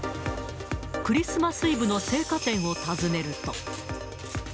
クリスマスイブの生花店を訪ねると。